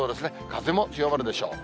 風も強まるでしょう。